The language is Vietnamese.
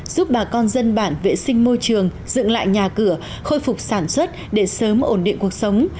giúp bà con dân bản vệ sinh môi trường dựng lại nhà cửa khôi phục sản xuất để sớm ổn định cuộc sống